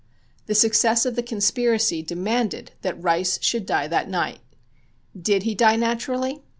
The success of the conspiracy demanded that Rice should die that night. Did he die naturally?